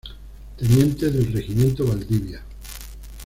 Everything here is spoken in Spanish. Teniente del Regimiento Valdivia.